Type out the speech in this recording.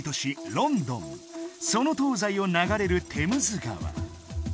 ロンドンその東西を流れるテムズ川